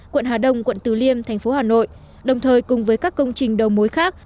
quận hà đông quận từ liêm thành phố hà nội đồng thời cùng với các công trình đầu mối khác